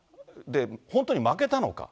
本当に負けたのか。